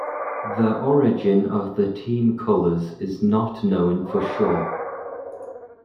The origin of the team colours is not known for sure.